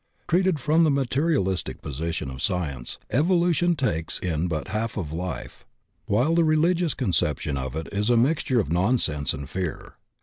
Treated from the materialistic position of Science, evolution takes in but half of life; while the reUgious conception of it is a mixture of nonsense and fear.